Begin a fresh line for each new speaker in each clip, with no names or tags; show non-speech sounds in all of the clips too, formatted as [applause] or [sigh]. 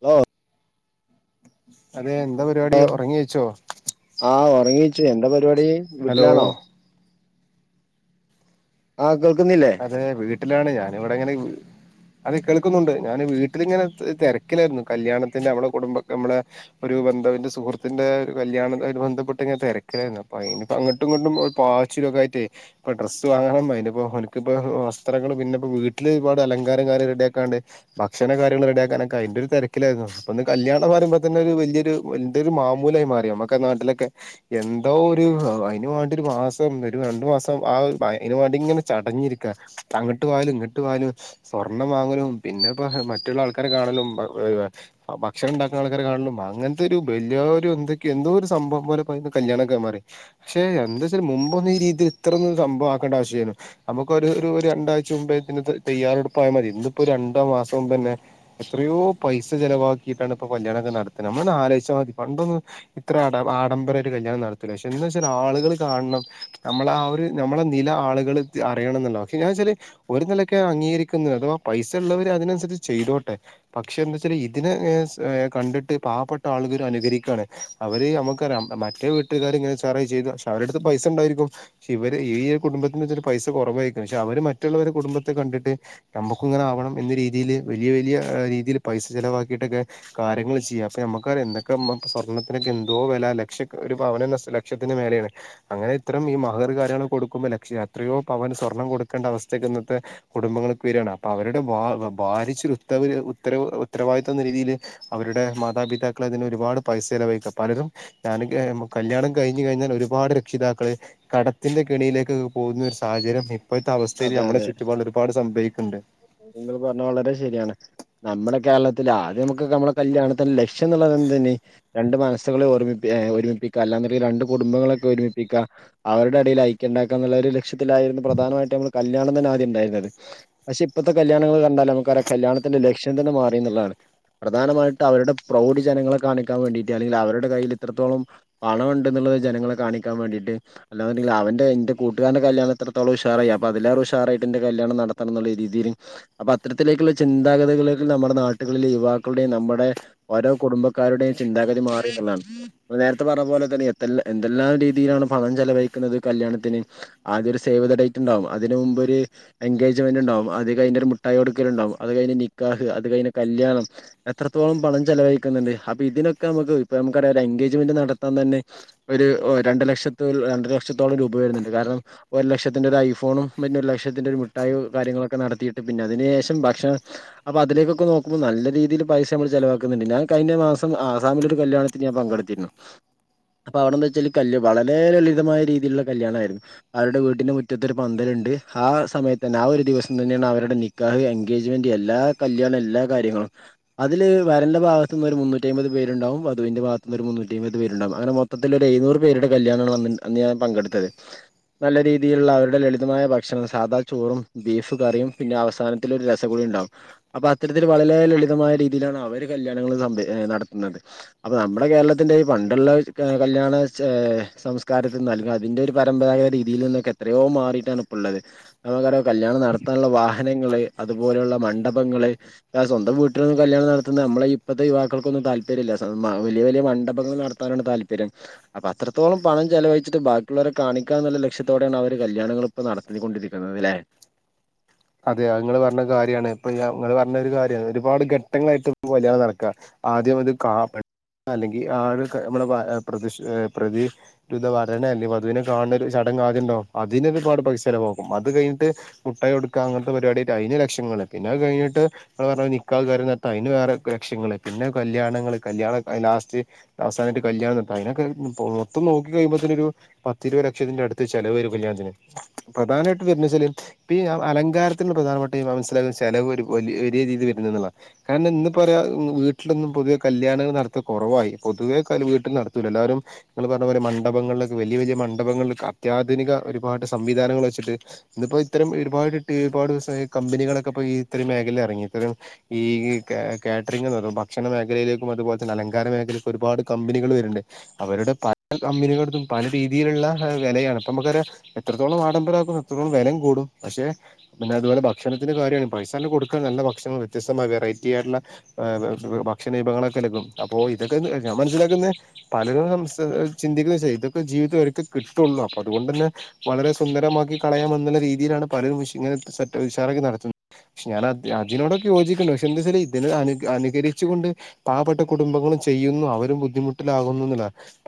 ഓ
അതെ എന്താ പരിവാടി ഒറങ്ങി എയിച്ചോ
റങ്ങിച്ചു എന്താ പരിവാടി വീട്ടിലാണോ ആ കേൾ
അതെ വീട്ടിലാണ് ഞാനിവിടെ ഇങ്ങനെ അതെ കേൾക്കുന്നുണ്ട് ഞാന് വീട്ടിലിങ്ങനെത് തെരക്കിലായിരുന്നു കല്യാണത്തിന്റെ അവളെ കുടുംബക്ക മ്മളെ ഒരു ബന്ധവ്ന്റെ സുഹൃത്തിന്റെ ഒരു കല്യാണക്കായിട്ട് ബന്ധപ്പെട്ട്ങ്ങനെ തെരക്കിലായിരുന്നു അപ്പ അയിന് പ്പ അങ്ങോട്ടും ഇങ്ങട്ടും ഒരു പാച്ചി ത്തിരുവോക്കായിട്ടെ അപ്പ ഡ്രസ്സ് വാങ്ങണം അതിന്റെപ്പൊ പനി ക്ക്പ്പോ വസ്ത്രങ്ങള് പിന്നെപ്പോ വീട്ടില് ഒരുപാട് അലങ്കാര കാര്യ റെഡിക്കാണ്ട് ഭക്ഷണ കാര്യങ്ങള് റെഡിയാക്കാനൊക്കെ ആയി ന്റെ ഒരു തിരക്കിലായിരുന്നു ഇപ്പൊന്ന് കല്യാണം പറയുമ്പ തന്നെ ഒരു വല്ല്യൊരു വല്ല്യൊരു മാമൂലായി മാറി നമ്മക്ക നാട്ടിലൊക്കെ എന്തോ ഒരു അയിന് വേണ്ടി ഒരു മാസം ഒരു രണ്ടു മാസം ആ ഒ അയിന് വേണ്ടിങ്ങനെ ച ടഞ്ഞിരിക്ക അങ്ങ്ട്ട് പോവലും ഇങ്ങ്ട്ട് പോവലും സ്വർണ്ണം വാങ്ങലും പിന്നെപ്പ മറ്റുള്ള ആൾക്കാരെ കാണലും ഭ ഏഹ് ആ ഭക്ഷണം ഉണ്ടാക്കുന്ന ആൾക്കാരെ കാണുന്നു അങ്ങനത്തെ ഒരു വല്യേരു എന്തൊക്കൊ എന്തോരു സംഭവം പോലെ പ്പ അയ്‌ന് കല്യാണൊക്ക മാറി ക്ഷെ എന്തച്ചാൽ മുമ്പൊന്നു ഈ രീതിൽ ഇത്ര ഒന്ന് സംഭവാക്കണ്ട ആവശ്യല്ല്യാന്നു നമുക്കൊരു രു ഒരു രണ്ടാഴ്ച മുമ്പേ ഇതിനത്ത് തയ്യാറെടുപ്പ് ആയ മതി ഇന്നിപ്പോ ഒരു രണ്ടോ മാസം മുമ്പ്ന്നെ എത്ര യോ പൈസ ചെലവാക്കിട്ടാണ് പ്പൊ കല്യാണക്ക നടത്തണെ നമ്മളൊന്ന് ആലോചിച്ചാൽ മതി പണ്ടൊന്നും ഇത്ര ആട ആഡം രായിട്ട് കല്യാണം നടത്തില്ല പക്ഷെ എന്താന്ന് വെച്ചാൽ ആളുകള് കാണണം നമ്മളെ ആ ഒരു നമ്മളെ നില ആളുകള് അറിയണന്ന് ഉണ്ടാവും പക്ഷെ ഞാൻ എന്ന് വെച്ചാല് ഒരു നിലയ്ക്ക് അംഗീകരിക്കുന്നത് അഥവാ പൈസ ഉള്ളവര് അതിനനുസരിച്ച് ചെയ്തോട്ടെ പക്ഷെ എന്തച്ചാല് ഇതിനെ ഏ സ് ഏ കണ്ടിട്ട് പാവപ്പെട്ട ആളുകര് അനുകരിക്കണ് അവര് അമുക്കറ യാം മറ്റേ വീട്ടുകാര് ഇങ്ങനെ ഉസാറായ് ചെയ്തു പക്ഷേ അവരെടുത്ത് പൈസ ഉണ്ടായിരിക്കും പക്ഷെ ഇവര് ഈ ഒരു കുടുംബത്തിന് ഇതൊരു പൈസ കുറവായിക്കും പക്ഷെ അവര് മറ്റുള്ളവരെ കുടുംബത്തെ കണ്ടിട്ട് നമ്മുക്കും ഇങ്ങനെ ആവണം എന്ന രീതില് വലിയ വലിയ ഏഹ് രീതില് പൈസ ചിലവാക്കിട്ടൊക്കെ കാര്യങ്ങള് ചീയ്യാ അപ്പ ഞമ്മക്കറയ എന്തൊക്കെ നമ്മക്ക് ഇപ്പ സ്വർണത്തിനൊക്കെ എന്തോ വെല ആ ലക്ഷക്ക ഒരു പവന് ഇന്ന് അസ ലക്ഷത്തിന് മേലെണ് അങ്ങനെ ഇത്രേം ഈ മഹർ കാര്യങ്ങള് കൊടുക്കുമ്പോ ലക്ഷ എത്രയോ പവൻ സ്വർണ്ണം കൊടുക്കണ്ട അവസ്ഥക്ക് ഇന്നത്തെ കുടുംബങ്ങൾക്ക് വര്യണ് അപ്പൊ അവരുടെ ഭാ ഭാരിച്ചൊരു ഉത്ത അവര് ഉത്തരവ് ഉത്തരവാദിത്തം ന്ന രീതില് അവരുടെ മാതാപിതാക്കള് അതിന് ഒരുപാട് പൈസ ചെലവഴിക്ക പലരും ഞാനൊക്കെ മ് കല്യാണം കഴിഞ്ഞു കഴിഞ്ഞാൽ ഒരുപാട് രക്ഷിതാക്കള് കടത്തിന്റെ കെണിയിലേക്ക് പോകുന്നൊരു സാഹചര്യം ഇപ്പോഴത്തെ അവസ്ഥേല് നമ്മുടെ ചുറ്റുപാടില് ഒരുപാട് സംഭവിക്കുന്നുണ്ട്
അത് ഇങ്ങൾ പറഞ്ഞത് വളരെ ശരിയാണ് നമ്മുടെ കേരള ഇല്ല ആദ്യം മക്കൊക്കെ നമ്മുടെ കല്യാണത്തിന്റെ ലക്ഷ്യന്നുള്ളത് എന്തന്നെ രണ്ട് മനസ്സുകളെ ഒരുമ്മിപ്പി ഏ ഒരുമിപ്പിക്കുക അല്ലാ എന്നിട്ട് രണ്ട് കുടുംബങ്ങളെ ഒരുമിപ്പിക്ക അവരുടെടേല് ഐക്യണ്ടാക്കന്നുള്ള ഒരു ലക്ഷ്യത്തിലായിരുന്നു പ്രധാനമാ കല്യാണം തന്നെ ആദ്യം ഇണ്ടായിരുന്നത് പക്ഷെ ഇപ്പത്തെ കല്യാണങ്ങള് കണ്ടാല് നമുക്കറിയാം കല്യാണത്തിന്റെ ലക്ഷ്യം തന്നെ മാറിന്നുള്ളതാണ് പ്രധാനമായിട്ട് അവരുടെ പ്രൗഢി ജനങ്ങളെ കാണിക്കാൻ വേണ്ടിട്ട് അല്ലെങ്കില് അവരുടെ കയ്യിൽ ഇത്രത്തോളം പണം ഉണ്ടെന്നു ള്ളത് ജനങ്ങളെ കാണിക്കാൻ വേണ്ടിട്ട് അല്ലാന്ന്ണ്ടെങ്കില് അവന്റെ ന്റെ കൂട്ടുകാരന്റെ കല്യാണം എത്രത്തോളം ഉഷാറിയാം അപ്പം അതിലേറെ ഉഷാറായിട്ട് എന്റെ കല്യാണം നടത്തണന്നുള്ള രീതിയില് അപ്പ അത്തരത്തിലേക്കുള്ള ചിന്താഗതികളിലേക്ക് നമ്മുടെ നാ ടുകളിലെ യുവാക്കളുടെ നമ്മടെ ഓരോ കുടുംബക്കാരുടെ ചിന്താഗതി മാറിന്നുള്ളതാണ് നമ്മള് നേരത്തെ പറഞ്ഞ പോ തന്നെയാ ത്തൽ എന്തെല്ലാം രീതിലാണ് പണം ചെലവഴിക്കുന്നത് കല്യാണത്തിന് ആദ്യൊരു സേവ് ദ ഡേറ്റ് ഇണ്ടാവ അതിന് മുമ്പ് ഒരു എൻഗേജ്മെന്റ് ഇണ്ടാവും അത് കഴിഞ്ഞട്ടൊരു മുട്ടായി കൊടുക്കൽ ഇണ്ടാവും അത് കഴിഞ്ഞ് നിക്കാഹ് അത് കഴിഞ്ഞ് ക ല്യാണം എത്രത്തോളം പണം ചെലവയിക്കുന്നുണ്ട് അപ്പ ഇതിനൊക്ക അമുക്ക് ഇപ്പ നമുക്കറിയാലോ എൻഗേജ്മെന്റ് നടത്താൻ ത ന്നെ ഒരു ഒ രണ്ടര ലക്ഷത്ത് ഒരു രണ്ടര ലക്ഷത്തോളം രൂപ വരുന്നുണ്ട് കാരണം ഒരു ലക്ഷത്തിന്റെ ഒരു ഐ ഫോണും പിന്നൊരു ലക്ഷത്തിന്റെ ഒരു മിഠായിം കാര്യങ്ങളൊക്ക നടത്തിട്ട് പിന്നെ അതിന് ശേഷം ഭക്ഷണ അപ്പ അതിലേക്കൊക്ക നോ ക്കുമ്പോ നല്ല രീതിയില് പൈസ നമ്മള് ചെലവാക്കുന്നുണ്ട് ഞാൻ കഴിഞ്ഞ മാസം ആസാമിലൊരു കല്യാണത്തിന് ഞാൻ പങ്കെടുത്തിരുന്നു അപ്പ അവിടെന്താച്ചാല്ല് കല്ല് വളരെ ലളിതമായ രീതില്ള്ള കല്യാണായിരുന്നു അവരടെ വീടിന്റെ മുറ്റ ത്തൊര് പന്തലുണ്ട് ആ സമയത്തന്നെ ആ ഒരു ദിവസം തന്നെയാണ് അവരുടെ നിക്കാഹ്, എൻഗേജ്മെന്റ്, എല്ലാ കല്യാണ ല്ലാ കാര്യങ്ങളും അതില് വരന്റെ ഭഗത്തുനിന്ന് മുന്നൂറ്റിമ്പത് പേരുണ്ടാവും വധുവിന്റെ ഭഗത്തുനി ഒരു മുന്നൂറ്റിമ്പത് പേരുണ്ടാവുംഅങ്ങനെ മൊത്തത്തി എഴുന്നൂറ് പേരുടെ കല്യാണ് അന്ന് ഞാൻ പങ്കെടുത്തത് നല്ല രീതിയിലുള്ള അവരു ലളിതമായ ഭക്ഷണം സാധാ ചോറും ബീഫ് കറിയും പിന്നെ അവസാനത്തി ഒരു രസം കൂടി ണ്ടാകും അപ്പൊ അത്തരത്തി ന്ന്ട്ട് വളരെ ലളിതമായ രീതിയിലാണ് അവര് കല്യാണങ്ങൾ നടത്തുന്നത് അപ്പം നമ്മുടെ കേരളത്തിന്റെ ഈ പണ്ട് ള്ള കല്യാണ സംസ്കാരത്തിൽ നൽകും അതിൻ്റെ ഒരു പരമ്പരാഗത രീതിയിൽ നിന്നൊക്കെ എത്ര യോ മാറിയിട്ടാണ് ഇപ്പം ള്ളത് നമുക്കോരോ കല്യാണം നടത്താനുള്ള വാഹനങ്ങള് അതുപോലെയുള്ള മണ്ഡപങ്ങള് സ്വന്തം വീട്ടിൽന്നും കല്യാണം നടത്തുന്നത് നമ്മളെ ഇപ്പഴത്തെ യുവാക്കൾക്കൊന്നും താല്പര്യല്ല വലിയ വലിയ മണ്ഡപങ്ങ നടത്താണ് താല്പര്യം അ അത്രത്തോ ളംപണം ചലവഴിച്ചിട്ട് ബാക്കിയുള്ളവരെ കാണിക്കന്നുള്ള ലക്ഷ്യത്തോടെ അവ കല്യാണങ്ങള് ഇപ്പൊ നടത്തി കൊണ്ടിരിക്കുന്നത് ല്ലെ
അതെ ങ്ങള് പറഞ്ഞ കാര്യണ് ഇപ്പൊ ഞങ്ങള് പറഞ്ഞ ഒരു കാര്യ ഒരുപാട് ഘട്ടങ്ങളായിട്ട് കല്യാണം നടക്ക്യ ആദ്യം അത് കാപ്പെ അല്ലെങ്കിൽ ആര് മ്മള് വ പ്രതിശ പ്രതിരുധ വരനെ അല്ലെ വധുവിനെ കാണത് ശ ങ്ങാതിണ്ടോ അതിനൊരുപാട് പൈസലവാകും അത് കഴിഞ്ഞിട്ട് മുട്ടായി കൊട് ക്കാഅങ്ങനത്തെ പരിപാട്യായിട്ട് അതിന് ലക്ഷങ്ങള്പിന്നെ അത് കഴിഞ്ഞ്ട്ട് ങ്ങള്പറഞ്ഞ നിക്കാഹ് കാര്യ നാടത്താൻ അതിന് വേറെ ലക്ഷങ്ങള് ന്നെ കല്യാണങ്ങള് കല്യാ ലാസ്റ്റ് അവസാനായിട്ട് കല്യാണം നടത്താൻ അതിനൊക്ക മൊത്തം നോക്കി കഴിയുബോത്തിന് ഒരു പത്തി ഇരുപത് ലക്ഷത്തിന്റെ അടുത്ത് ചെലവ് വരും കല്യാണത്തിന് പ്രധാനമയിട്ട് വരുന്ന ച്ചാല് പി യ അലങ്കാരത്തിനുള്ള പ്രധാനപ്പെട്ട ഈ മനസ്സിലകുന്ന ചെലവ് വരും വലിയ രീതി വര്ന്ന്ന്ന്നുള്ളാ കാരണം ഇന്ന് പോര വീട്ടിലൊന്നും പൊതുവെ കല്യാണങ്ങൾ നടത്ത കുറവായി പാ പൊതുവേ ക വീട്ടിൽ നടത്തൂല്ല എല്ലാരും ങ്ങള് പറഞ്ഞ പോലെ മഡപം ങ്ങളിലെക്കെ വലിയ വലിയ മണ്ഡപങ്ങളില് അത്യാധുനിക ഒരുപാട് സംവിധാനങ്ങൾ വെച്ചിട്ട് ഇന്ന് ഇപ്പോ ഇത്തരം പാട് ട്ടിപാട് സ്വായി കമ്പനികളൊക്കെ ഇത്തരം മേഖലയിൽ എറങ്ങി ഇത്തരം ഈ കാറ്ററിങ്ങ് ഭക്ഷണ മേഖലയിലേക്കും അതുപോലെ തന്നെ അലങ്കാര മേഖല ഒരുപാട് കമ്പനികൾ വരുന്നുണ്ട് അവരുടെ പല കമ്പി ങ്ങ് ട്ത്തും പല രീതിയിലുള്ള വെലയാണ് അപ്പ നമുക്കറിയാഎത്രത്തോളം ആഡംബരമാക്കും വിലം കൂടും പക്ഷെ പിന്നെ അതുപോലെ ഭക്ഷണത്തിന്റെ കാര്യമാണ് പൈസ ണ്ട് കൊടുക്ക നല്ല ഭക്ഷണം വ്യത്യസ്തമായ വെറൈറ്റി ആയിട്ടുള്ള ഭക്ഷണ വിഭവങ്ങളൊക്കെ ലഭിക്കും അപ്പോ ഇതൊക്കെ ഞാൻ മനസ്സിലാക്കുന്ന പലരും [unintelligible] ഇതൊക്കെ ജീവിതം ഒരിക്കെ കിട്ടുള്ളൂ അപ്പൊ അതുകൊണ്ട് തന്നെ വളരെ സുന്തരമാക്കി കളയാമെന്നുള്ള രീതിയിലാണ് പലരും ഇങ്ങനെക്കെ വിശാലൊക്കെ നടത്തുന്ന ഷേ ഞാൻ അതിനോടൊക്കെ യോജിക്ക്ണ്ട് പക്ഷെ എന്താ വെച്ചാൽ ഇതിനെ അനുകരിച്ചു കൊണ്ട് പാവപ്പെട്ട കുടുംബങ്ങള് ചെയ്യുന്നു അവരും ബുദ്ധിമുട്ടിലാകുന്നു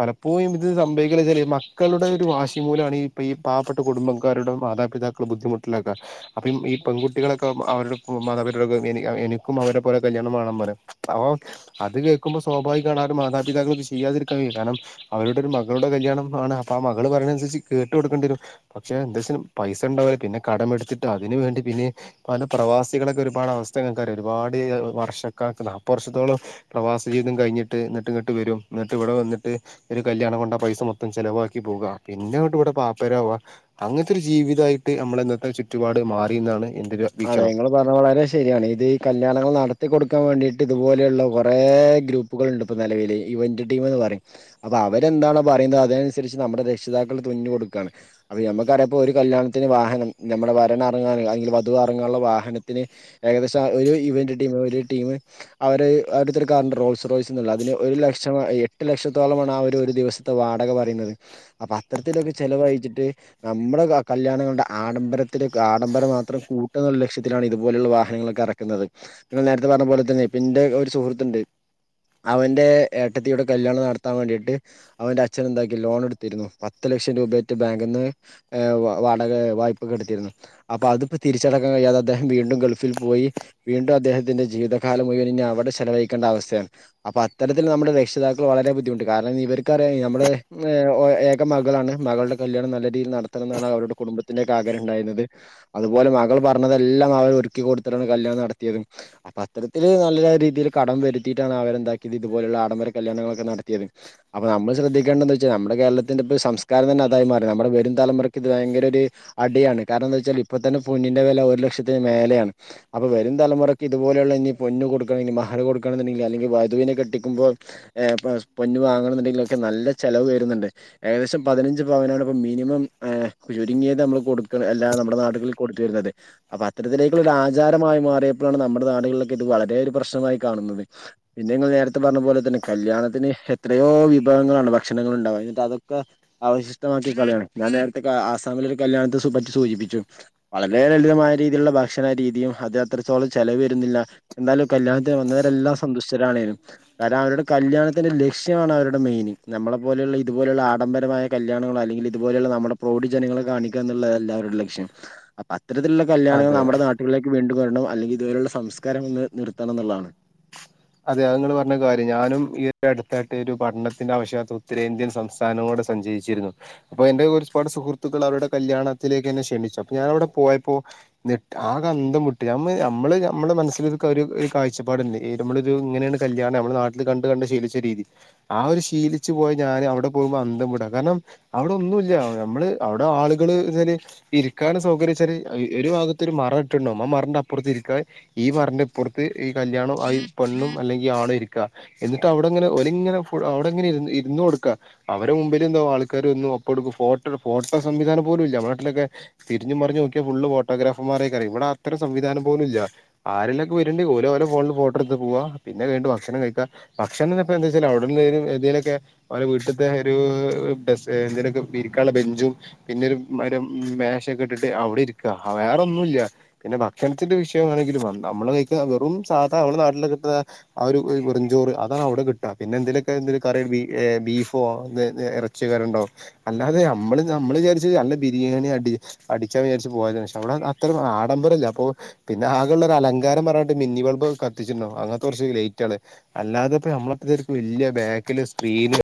പലപ്പോഴും ഇത് സംഭവിക്ക മക്കളുടെ ഒരു വാശി പോലാണ് ഈ പാവപ്പെ കുടബക്കാരുടെ മാതാപിതാക്കൾ ബുദ്ധിമു ന്നാക്ക അപ്പ ഈ പെൺകുട്ടികളൊക്കെ അവരുടെ മാതാപിത എനിക്കും അവരെ പോലെ കല്യാണം വേ അപ്പൊ അത് കേൾക്കുമ്പോ സ്വാഭാവികമാണ് ആ ഒരു മാതാപിതാക്കു ഇത് ചെയ്യാതിരിക്കാൻ കയ്യൂല കാരണം അവരുടെ ഒരു മ മകളുടെ കല്യാണംമാണ് അപ്പ ആ മകള് പറിണനനുസരിച്ച് കേട്ട് കൊടുക്കേണ്ടിരും പക്ഷെ എന്താച്ച പൈസ ഉണ്ടാവുല പിന്നെ കടമെടുത്തിട്ട് അതിന് വേണ്ടി പിന്നെ പല പ്രവാസികളൊക്കെ ഒരുപാട് അവസ്ഥ ങ്ങക്കറിയോ ഒരുപാട് വർഷക്കാ അപ്പ നാപ്പത് വർഷത്തോളം പ്രവാസ ജീവിം കഴിഞ്ഞിട്ട് എന്നിട്ട് ഇങ്ങട്ട് വരും എന്നിട്ട് ഇവിടെ വന്നിട്ട് ഒരു കല്യാണ ണ്ട പൈസ മൊത്തം ചെലവാക്കി പോകുക പിന്നെട്ട് ഇവിടെ പാപ്പരവുക അങ്ങനത്തെരു ജീവിതയിട്ട് നമ്മൾ ചുറ്റുപാട് മാറി എന്നാണ് എ
അതെ നിങ്ങള് പറഞ്ഞത് വളരെ ശരിയാണ് ഇത് ഈ കല്യാണങ്ങൾ നടത്തി കൊടുക്ക ക്കെ വേണ്ടിട്ട് ഇതുപോലെയുള്ള കുറേ ഗ്രൂപ്പുകളുണ്ട് നിലവില് ഇവന്റ് ടീംന്ന് പറയും അപ്പൊ അവരെ എന്താണോ പറയുന്നത് അതിനനുസരിച്ച് നമ്മുടെ രക്ഷിതാക്കൾ തുന്ഞ്ഞി കൊടുക്കാണ് അപ്പൊ നമുക്ക അറിയപ്പോ ഒരു കല്യാണത്തിന് വാഹനം നമ്മുടെ വരനാണ് അരീതി അത്റങ്ങാനുള്ള വാഹനത്തിന് ഏകദേശം ഒരു ഇവന്റ് ടീമ് ഒരു ടീം അവരെഅവ റോസ് റോയ്സ്ന്ന്ളള അതിന്ഒരു ലക്ഷം എട്ട് ലക്ഷത്തോളമാണ് ആ ഒരു ഒരു ദിവസത്തെ വാടക പറയുന്നത് അത്തരത്തിലൊക്കെ ചെലവഴിച്ചിട്ട് നമ്മുടെ കല്യാണം കൊണ്ട് ആഡംബരത്തിലൊക്കെ ആഡംബരം മാത്രം കൂട്ടാന്ന്ല്ല ലക്ഷ്യത്തിലാണ് ഇതുപോലെയുള്ള വാഹനങ്ങളൊക്കെ എറക്ക്ന്നത്. നിങ്ങൾ നേരത്തെ പറഞ്ഞ പോലെ തന്നെ ഇന്റെ ഒരു സുഹൃത്തുണ്ട് അവന്റെ ഏട്ടത്തിയുടെ കല്യാണം നടത്താൻ വേണ്ടിയിട്ട് അവന്റെ അച്ഛൻ എന്താക്കി ലോൺ എടുത്തിരുന്നു. പത്ത് ലക്ഷം രൂപറ്റെ ബാങ്കിന്ന് വാടക വായ്പക്കെടുത്തിരുന്നു. അപ്പൊ അത് പ്പ തിരിച്ചടക്കാൻ കഴിയാതെ അദേഹം വീണ്ടും ഗൾഫിൽ പോയി വീണ്ടും അദ്ദേഹത്തിന്റെ ജീവിതകാലം മുഴുവനും ഇനി അവിടെ ചെലവഴി അവസ്ഥയാണ് അപ്പൊ അത്തരത്തിൽ നമ്മുടെ രക്ഷിതാക്കൾ വളരെ ബുദ്ധിമുട്ടി കാരണം ഇവർക്കറിയ നമ്മുടെ [unintelligible] ഏക മകളാണ് മകളുടെ കല്യാണം നല്ല രീതിയിൽ നടത്തണം എന്നെന്നാണ് അവരുടെ കുടുംബത്തിന്റെക്കെ ആഗ്രഹം ഉണ്ടായിന്നത്. അതുപോലെ മകൾ പറഞ്ഞതെല്ലാം അവർ ഒരുക്കി കൊടുത്തിട്ടാണ് കല്യാണം നടത്തിയതും അപ്പത്തരത്തിൽ നല്ല രീതിയിൽ കടം വരുത്തിട്ടാണ് അവരെ എന്താക്കിയത്, ഇതുപോലുള്ള ആഡംബര കല്യാണങ്ങളൊക്കെ നടത്തിയത്. അപ്പം നമ്മൾ ശ്രദ്ധിക്കേണ്ടന്തച്ചാൽ, നമ്മുടെ കേരളത്തിന്റെ ഇപ്പ സംസ്കാരം തന്നെ അതായി മാറി. നമ്മുടെ വരുംതലമുറയ്ക്ക് ഇത് ഭയങ്കര ഒരു അടിയാണ്. കാരണം എന്താച്ചാൽ ഇപ്പതന്നെ പൊന്നിന്റെ വെല ഒരുലക്ഷത്തിന് മേലെയാണ്. അപ്പം വരും തലമുറയ്ക്ക് ഇതുപോലെയുള്ള ഇനി പൊന്നുകൊടുക്കണെങ്കി അഒക്കെ കൊടുക്കണം ന്നുണ്ടെങ്കിൽ അല്ലെങ്കി വധുവിനെ കെട്ടിക്കുമ്പോ ഏ പൊന്ന് വാങ്ങണണ്ടെങ്കിലൊക്കെ നല്ല ചെലവ് വരു ന്ന്ണ്ട്. ഏകദേശം പതിനഞ്ച് പവനാണ് പ്പം മിനിമം ഏഹ് ചുരുങ്ങിയത് നമ്മൾ കൊടുക്ണ അല്ലാ നമ്മുടെ നാട് ൽ കൊടുത്തീര്ന്നത്. അപ്പൊ അത്തരത്തിലേക്കുള്ള ഒരു ആചാരമായി മാറിയപ്പളാണ് നമ്മുടെ നാടുകളിലൊക്കെ ഇത് വളരെ ഒരു പ്രശ്നമായി കാണുന്നത്. പിന്നെ നിങ്ങൾ നേരത്തെ പറഞ്ഞ പോലെ തന്നെ, കല്യാണത്തിന് എത്രയോ വിഭവങ്ങളാണ് ഭക്ഷണങ്ങൾ ഉണ്ടാവ. എന്നിട്ടതൊക്കെ അവശിഷ്ടമാക്കി കളയാണ്. ഞാൻ നേരത്തെ ക ആസാമിലൊരു കല്യാണത്തെ പറ്റി സൂചിപ്പിച്ചു. വളരെ ലളിതമായ രീതിയിലുള്ള ഭക്ഷണ രീതിയും അത് അത്രത്തോളം ചെലവ് വരുന്നില്ല, എന്നാലും കല്യാണത്തിന് വന്ന വരെല്ലാം സന്തുഷ്ടരാണെനും. കാരണം അവരുടെ കല്യാണത്തിന്റെ ലക്ഷ്യമാണ് അവരുടെ മെയിൻ നമ്മളെ പോലെയുള്ള ഇ തുപോലെയുള്ള ആഡംബരമായ കല്യാണങ്ങളോ അല്ലെങ്കിൽ, ഇതുപോലെയുള്ള, നമ്മുടെ പ്രൗഢി ജനങ്ങളെ കാണിക്കാ എന്നുള്ളതെല്ലാവരുടെയും ലക്ഷ്യം. അപ്പ അത്തരത്തിലുള്ള കല്യാണങ്ങൾ
അതെ
നമ്മുടെ നാട്ടുകളിലേക്ക് വീണ്ടും, വരണം അല്ലെങ്കിൽ ഇതുവരെയുള്ള സംസ്കാരം ഒന്ന് നിർത്തണം എന്നുള്ളാണ്.
അതെ. അത് ഇങ്ങൾ പറഞ്ഞത് കാര്യം. ഞാനും ഈ അടുത്തായിട്ട് ഒരു പഠനത്തിന്റെ ആവശ്യാർഥം ഉത്തരേന്ത്യൻ സംസ്ഥാനങ്ങ ടെ സഞ്ചരിച്ചിരിന്നു. അപ്പൊ എന്റെ ഒരുപാട് സുഹൃത്തുക്കൾ അവരുടെ കല്യാണത്തിലേക്ക് എന്നെ ക്ഷണിച്ചു. അപ്പം ഞാനവിടെ പോയപ്പോ. ഞെ ആകെ, അന്തം വിട്ട്, നമ്മ നമ്മള് നമ്മളെ മനസ്സിലൊരു ക്കരു കാഴ്ചപ്പാട് [unintelligible] നമ്മളൊരു ഇങ്ങനെണ് കല്യാണം, നമ്മളെ നാട്ടില് കണ്ട് കണ്ട് ശീലിച്ച രീതി, ആ ഒരു ശീലിച്ച് പോയ ഞാന് അവിടെ പോകുമ്പ അന്തം വിടാ, കാരണം അവിടെ ഒന്നുല്ല നമ്മള് അവിടെ ആളുകള്, [unintelligible] ഇരിക്കാൻ സൗകര്യംച്ചാല്. അഅ് ഒരു ഭാഗത്ത് ഒരു മറ ഇട്ട് ണ്ടാവും. ആ മറന്റെ അപ്പൊർത്ത് ഇരിക്കാ, ഈ മറന്റെ ഇപ്പർത്ത് ഈ കല്യാണം ആ ഈ പെണ്ണും അല്ലെങ്കിൽ ആണു ഇരിക്കാ.. എന്നിട്ട് അവിടെങ്ങനെ ഓരിങ്ങനെ ഫുൾ അവ്ടങ്ങനെ ഇര് ഇര്ന്ന് കൊട്ക്കാ. അവരെ മുമ്പിൽ എന്തോ ആൾക്കാര്. ന്നു ഒപ്പെട്ക്കും ഫോട്ടോട് ഫോട്ടം സംവിധാനം പോലൂല്ല.. ഞമ്മളെ നാട്ടിലൊക്കെ തിരിഞ്ഞും മറിഞ്ഞും നോക്കിയാ ഫുള്ള് ഫോട്ടൊ ഗ്രാഫർമാരേക്കാ രെ.. ഇവിടെ അത്ര സംവിധാനം പോലൂല്ല്യ. ആരെലൊക്കെ വര്ണ്ടേ ഓല് ഓലെ ഫോണ് ൽ ഫോ ട്ടട്ത്ത് പോവാ.. പിന്നെ അകയ്ഞ്ട്ട് ഭക്ഷണം കഴിക്കാ, ഭക്ഷണന്നെ ഇപ്പെന്തേച്ചാല് അവ്ട്ന്ന് എതേലൊക്കെ ഓലെ വീട്ട്ത്തെ അവിടെുംഏന്തേങ്കലൊക്കെ അവ വീട്ടത്തെ ഒരൂ.... ടെസേ എന്തേലൊക്കെ ഇരിക്കാൻള്ള ബെഞ്ചും പിന്നൊരു [unintelligible] മേശെക്കെ ഇട്ടിട്ട് അവ് ടെ ഇരിക്കാ... വേറൊന്നൂല്ല്യാ. പിന്നെ ഭക്ഷണത്തിന്റെ വിഷയംമാണെങ്കിലും നമ്മള് വെയിക്ണ വെറും സാ ധാ നമ്മളെ നാട്ടില് കിട്ട്ന്ന ആ ഒരു ഒര് വെറുംഞ്ചോറ് അതാണ് അവിടെ കിട്ടാ, പിന്നെ എന്തേലൊക്കെ എന്തേലും കറി ഏഹ് ബി ബീഫ്. ഫോ [unintelligible] ഇറച്ചിയോക്കേരണ്ടാവും. അല്ലാതെ നമ്മള് നമ്മൾ വിചാരിച്ച് നല്ല ബിരിയാണി അടി, അടി ച്ചാൻ വിചാരിച്ച് പോയതേനി. പക്ഷേ അവിടെ അത്തരം ആഡംബരല്ലാ അപ്പോ പിന്നെ ആകെയുള്ളൊരലങ്കാരം പറഞ്ഞാട്ട് മിന്നി ബൾബ് കത്തിച്ചിണ്ടാവും. അങ്ങൻത്തെ കൊർച്ച് ലെയ്റ്റ് ആണ്. അല്ലാതെപ്പോ നമ്മളത്ത്രിം ഓര്ക്ക് വല്യ ബാക്കില് സ്ക്രീന്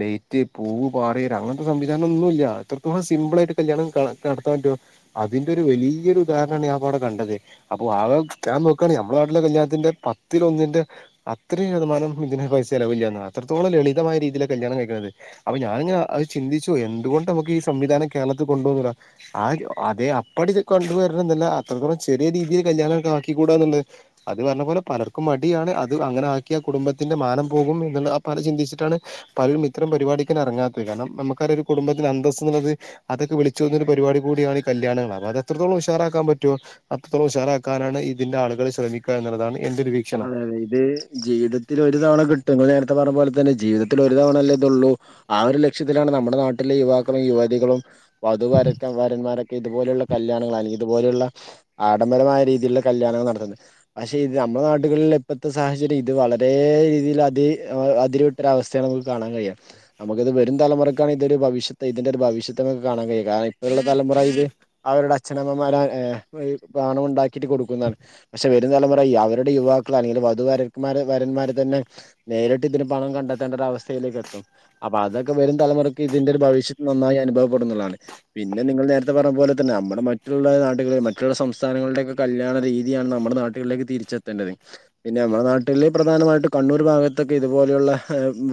ലെയ്റ്റ്, പൂ പാറി വരാ അങ്ങൻത്തെ സംവിധാനം ഒന്നൂല്ല്യാ... എത്രത്തോളം സിമ്പിൾ ആയിട്ട് കല്യാണം കാണാ നടത്താ ൻ പറ്റോ അതിന്റെ ഒരു വലിയൊരു ഉദാഹരണാണ് ഞാന്പ്പവ്ടെ കണ്ടത്. അപ്പൊ ആഹ് [unintelligible] നോക്കാണേ മ്മളെ നാട്ടിലെ കല്യാണത്തിന്റെ പത്തിൽ ഒന്നിന്റെ അത്രിം ശതമാനം ഒന്നും ഇതിന് പൈസ ചെലവില്ലാന്നാ. അത്രത്തോളം ലളിത മായ രീതിയിലാ കല്യാണം കഴിക്കുന്നത്. അപ്പം ഞാനിങ്ങന അത് ചിന്തിച്ചു പോയി. എന്തുകൊണ്ട് നമുക്ക് ഈ സംവിധാനം കേരളത്തിൽ കൊണ്ടു വന്നുടാ... ആ [unintelligible] അതേ അപ്പടി കൊണ്ടുവരണംന്നല്ല, അത്രത്തോളം ചെറിയ രീതിയിൽ കല്യാണൊക്ക ആക്കി കൂടാന്ന്ള്ള അത് പറഞ്ഞ പോലെ പലർക്കും മടിയാണ്. അത് അങ്ങനെ ആക്കിയാ കുടുംബത്തിന്റെ മാനം പോകും. എന്നുള്ള ആ [unintelligible] ചിന്തിച്ചിട്ടാ ണ് പലരുംമിത്തരം പരിപാടിക്കന്നെ എറങ്ങാത്തത് കാരണം, നമ്മക്ക് അറിയാ ഒരു കുടുംബത്തിന് അന്തസ് ന്നുള്ളത് അതൊക്കെ വിളിച്ച് [unintelligible] പരിപാടി കൂടിയാണ് ഈ കല്യാണങ്ങൾ. അപ്പ അത് എത്രത്തോളം ഉഷാറാക്കാൻ പറ്റോ, അത്രത്തോളം ഉഷാറാക്കാനാണ് ഇതിന്റെ ആളുകൾ ശ്രമിക്കാ എന്നുള്ളതാണ്. എന്റെ ഒരു വീക്ഷണം
അതെ. അതെ ഇത് ജീവിതത്തിൽ ഒരു തവണ കിട്ടും, ഇങ്ങള് നേരത്തെ പറഞ്ഞപോലെ തല്ലെ. ജീവിതത്തിൽ ഒരു തവണല്ലേ ഇതൊള്ളൂ ആ ഒരു ലക്ഷ്യത്തിലാണ് നമ്മുടെ നാട്ടിലെ യുവാക്കളും, യുവതികളും, വധൂ വരക്ക വരന്മാരെ ഇതുപോലെയുള്ള കല്യാണങ്ങൾ അല്ലെങ്കിൽ ഇതുപോലെയുള്ള ആഡംബരമായ രീതിയിലുള്ള കല്യാണങ്ങൾ നടത്തുന്നത്. പക്ഷെ ഇത് നമ്മുളെ നാ കുട്ടികളിലെ ഇപ്പത്തെ സാഹചര്യം ഇത് വളരെ രീതിൽ അതി അതിര് വിട്ടൊരു അവസ്ഥയാണ് നമുക്ക് കാണാൻ കഴിയുക നമുക്കിത് വരും തലമുറക്കാണ് ഇതൊരു ഭവിഷ്യത്ത് ഇതിന്റെ ഒരു ഭവിഷത്ത് നമുക്ക് കാണാൻ കഴിയുക കാരണം ഇപ്പോഴുള്ള തലമുറക്ക് അവരുടെ അച്ഛനമ്മമാർ പണം ഉണ്ടാക്കിയിട്ട് കൊടുക്കുന്നതാണ് പക്ഷെ വരും തലമുറ അവരുടെ യുവാ ക്കൾ അല്ലെങ്കിൽ വധുവരന്മാർ വരന്മാര് തന്നെ നേരിട്ട് ഇതിന് പണം കണ്ടെത്തേണ്ട ഒരു അവസ്ഥയിലേക്ക് എത്തും അപ്പൊ അതൊക്കെ വരും തലമുറക്ക് ഇതിന്റെ ഒരു ഭവി്ഷത്ത് നന്നായി അനുഭവപ്പെടും എന്നുള്ളതാണ് പിന്നെ നിങ്ങൾ നേരത്തെ പറഞ്ഞ പോലെ തന്നെ നമ്മുടെ മറ്റുള്ള നാടുകളിൽ മറ്റുള്ള സംസ്ഥാനങ്ങളുടെയൊക്കെ കല്യാണ രീതിയാണ് നമ്മുടെ നാട്ടുകളിലേക്ക് തിരിച്ചെത്തേണ്ടതേ പിന്നെ നമ്മുടെ നാട്ടില് പ്രധാനമായിട്ട് കണ്ണൂർ ഭാഗത്തൊക്കെ ഇതുപോലെയുള്ള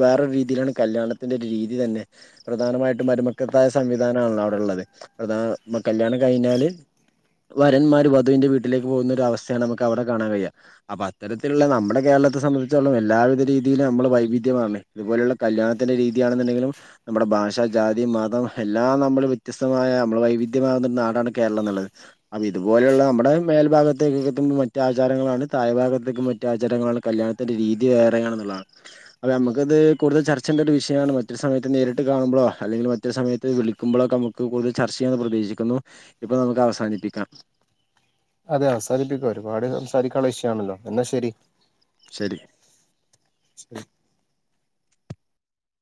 വേറെ രീതിയിലാണ് കല്ല്യാണ ത്തിന്റെ ഒരു രീതി തന്നെ പ്രധാനമായിട്ടും മരുമക്കത്തായ സംവിധാനമാണല്ലോ അവിടെയുള്ളത് പ്രധാ കല്യാ ണം കഴിഞ്ഞാല് വരന്മാര് വധുവിന്റെ വീട്ടിലേക്ക് പോകുന്ന ഒരു അവസ്ഥയാണ് നമുക്ക് അവിടെ കാണാൻ കഴിയുക അപ്പൊ അത്തരത്തിലുള്ള നമ്മുടെ കേരളത്തെ സംബന്ധിച്ചോളം എല്ലാവിധ രീതിയിലും നമ്മള് വൈവിധ്യമാണ് ഇതുപോലുള്ള കല്യാണത്തി ന്റെ രീതിയാണെന്നുണ്ടെങ്കിലും നമ്മുടെ ഭാഷ ജാതി മതം എല്ലാം നമ്മള് വ്യത്യസ്തമായ നമ്മള് വൈവിധ്യമാർ ന്ന നാടാണ് കേരളം എന്നുള്ളത് അപ്പോ ഇതുപോലെയുള്ള നമ്മുടെ മേൽഭാഗത്തേക്കൊക്കെ എത്തുമ്പോൾ മറ്റാചാരങ്ങളാണ് തനതായ ഭാഗത്തേക്കും മറ്റു ആചാരങ്ങളാണ് കല്യാണത്തിന്റെ രീതി വേറെയാണെന്നുള്ളതാണ് അപ്പ നമുക്കിത് കൂടുതൽ ചർച്ച ചെയ്യണ്ടൊരു വിഷയാണ് മറ്റൊരു സമയത്ത് നേരിട്ട് കാണുമ്പളോ അല്ലെങ്കില് മറ്റൊരു സമയത്ത് വിളിക്കുമ്പോളൊക്ക നമുക്ക് കൂടുതൽ ചർച്ച ചെയ്യാന്ന് പ്രതീക്ഷി ക്കുന്നു ഇപ്പൊ നമുക്ക് അവസാനിപ്പിക്കാം
അതെ അവസാനിപ്പിക്കാം ഒരുപാട് സംസാരിക്കാനുള്ള വിഷയാണല്ലോ എന്നാ ശരി
ശരി
ശെരി